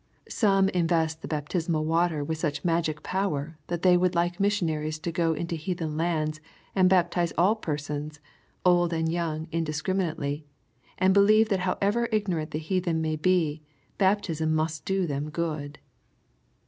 Some invest the baptismal water with such magic power, that they would like missionaries to go into heathen lands and baptize all persons, old and young indiscriminately, and believe that however ignorant the heathen may be, bap tism must do them good.